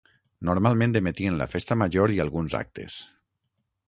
Normalment emetien la Festa Major i alguns actes.